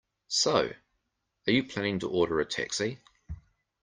So, are you planning to order a taxi?